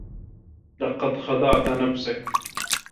لقد خدعت نفسك.